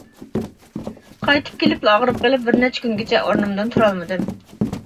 قايتىپ كېلىپلا ئاغرىپ قېلىپ بىرنەچچە كۈنگىچە ئورنۇمدىن تۇرالمىدىم.